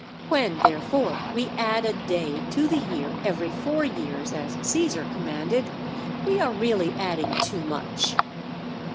When, therefore, we add a day to the year every four years, as Caesar commanded, we are really adding too much.